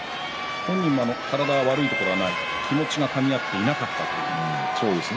本人も体が悪いところはない気持ちが、かみ合っていなかったと言っていました。